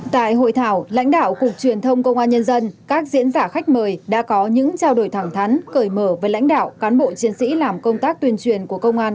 tại hội thảo lãnh đạo cục truyền thông công an nhân dân các diễn giả khách mời đã có những trao đổi thẳng thắn cởi mở với lãnh đạo cán bộ chiến sĩ làm công tác tuyên truyền của công an